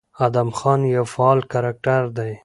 ادم خان يو فعال کرکټر دى،